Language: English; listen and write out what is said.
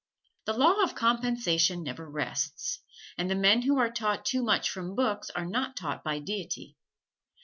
The Law of Compensation never rests, and the men who are taught too much from books are not taught by Deity.